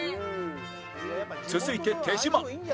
続いて手島